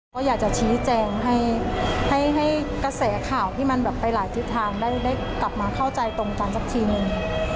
ก็อยากจะชี้แจงให้กระแสข่าวที่มันแบบไปหลายทิศทางได้กลับมาเข้าใจตรงกันสักทีนึง